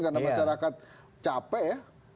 karena masyarakat capek ya